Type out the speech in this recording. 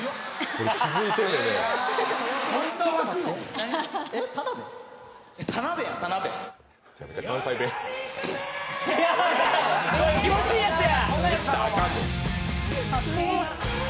これ、気持ちいいやつや。